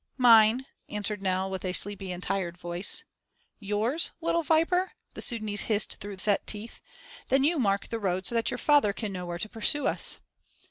"Mine," answered Nell with a sleepy and tired voice. "Yours, little viper?" the Sudânese hissed through set teeth. "Then you mark the road so that your father can know where to pursue us."